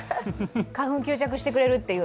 花粉を吸着してくれるっていう。